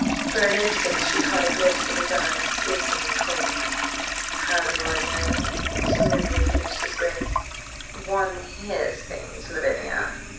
For an instant she caught a glimpse of his eyes, piercing and cold. "How do I know?" smoothly finished his Grace "One hears things, Lavinia.